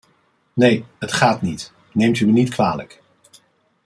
Nee, het gaat niet, neemt u me niet kwalijk.